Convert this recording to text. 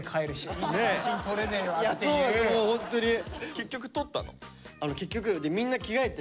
結局撮ったの？